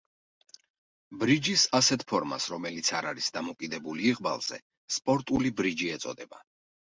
ბრიჯის ასეთ ფორმას, რომელიც არ არის დამოკიდებული იღბალზე სპორტული ბრიჯი ეწოდება.